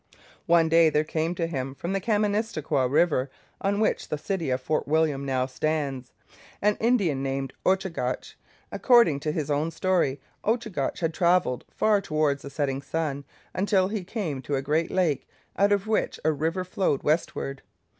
One day there came to him from the Kaministikwia river on which the city of Fort William now stands an Indian named Ochagach. According to his own story, Ochagach had travelled far towards the setting sun, until he came to a great lake, out of which a river flowed westward.